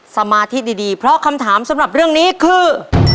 สมาธิดีเพราะคำถามสำหรับเรื่องนี้คือ